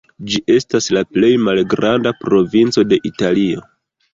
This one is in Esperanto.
Ĝi estas la plej malgranda provinco de Italio.